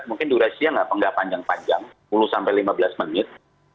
mungkin durasinya nggak panjang panjang sepuluh sampai lima belas menit